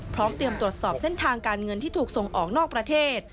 เตรียมตรวจสอบเส้นทางการเงินที่ถูกส่งออกนอกประเทศ